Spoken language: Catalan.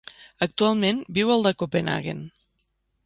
Actualment viu al de Copenhaguen.